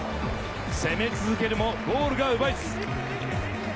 攻め続けるもゴールが奪えず。